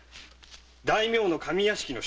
大名の上屋敷の。